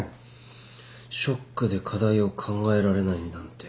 ショックで課題を考えられないなんて教員失格です。